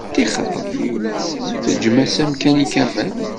Tixret, teǧǧem-as amkan i Kamal.